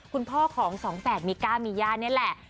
คุณพ่อของสองแฝดมิก้ามีย่านี่แหละ